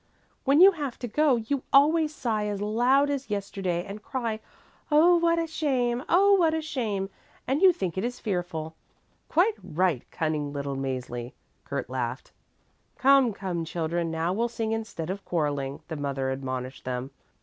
"When you have to go, you always sigh as loud as yesterday and cry: 'Oh, what a shame! Oh, what a shame!' and you think it is fearful." "Quite right, cunning little Mäzli," Kurt laughed. "Come, come, children, now we'll sing instead of quarrelling," the mother admonished them.